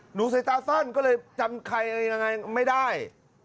หนูใส่ตาสั้นก็เลยจำใครยังไงไม่ได้